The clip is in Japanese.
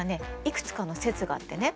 いくつかの説があってね。